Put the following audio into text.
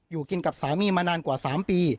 อยู่กินกับสามีมานานกว่า๓ปี